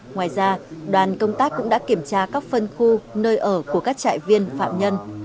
ngoài ra đoàn công tác cũng đã kiểm tra các phân khu nơi ở của các trại viên phạm nhân